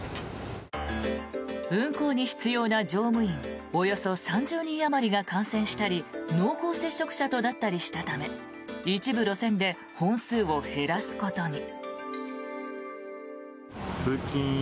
運行に必要な乗務員およそ３０人あまりが感染したり濃厚接触者となったりしたため一部路線で本数を減らすことに。